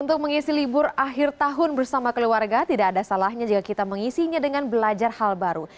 untuk mengisi libur akhir tahun bersama keluarga tidak ada salahnya jika kita mengisinya dengan belajar hal baru